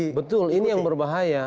nah ini betul ini yang berbahaya